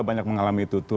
banyak mengalami itu